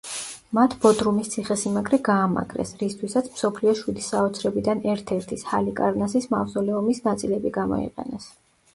მათ ბოდრუმის ციხე-სიმაგრე გაამაგრეს, რისთვისაც მსოფლიოს შვიდი საოცრებიდან ერთ-ერთის ჰალიკარნასის მავზოლეუმის ნაწილები გამოიყენეს.